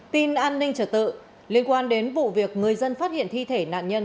tin an ninh trở tự liên quan đến vụ việc người dân phát hiện thi thể nạn nhân